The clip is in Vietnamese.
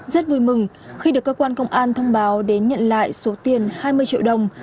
rất vui mừng khi được cơ quan công an thông báo đến nhận lại số tiền hai mươi triệu đồng